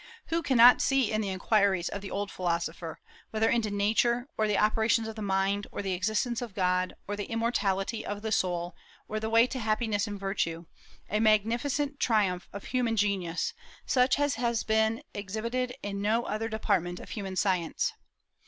Who cannot see in the inquiries of the old Philosopher, whether into Nature, or the operations of mind, or the existence of God, or the immortality of the soul, or the way to happiness and virtue, a magnificent triumph of human genius, such as has been exhibited in no other department of human science?